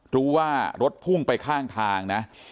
รู้ว่ารถพุ่งไปข้างทางนะ